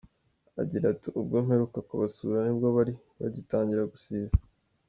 Agira ati “Ubwo mperuka kubasura ni bwo bari bagitangira gusiza.